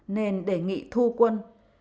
nên đề nghị thu quân